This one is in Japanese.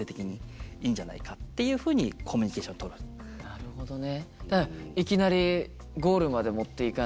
なるほどね。